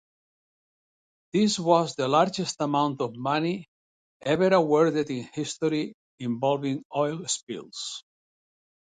This was the largest amount of money ever awarded in history involving oil spills.